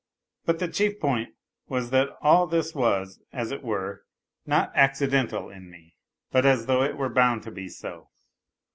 But the chief point was that all tliis was, as it were, not accidental in me, but as though it were bound to be so.